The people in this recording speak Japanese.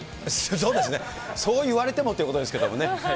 そうですね、そういう言われてもっていうことですけどね。